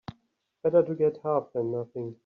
Better to get half than nothing.